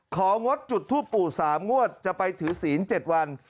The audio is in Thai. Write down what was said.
ของงดจุดทูปปู่๓งวดจะไปถือศีล๗วัน